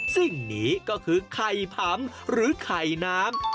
สิ่งนี้ก็คือไข่ผำหรือไข่น้ำ